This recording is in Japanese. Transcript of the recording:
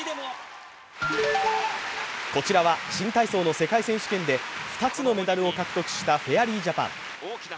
こちらは新体操の世界選手権で２つのメダルを獲得したフェアリージャパン。